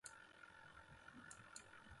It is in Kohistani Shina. سہ سیْ چِھیئے تِھم تِھم تھاؤ۔